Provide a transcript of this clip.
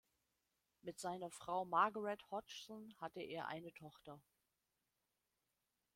Mit seiner Frau Margaret Hodgson hatte er eine Tochter.